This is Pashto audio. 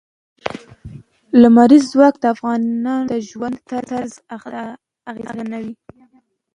لمریز ځواک د افغانانو د ژوند طرز اغېزمنوي.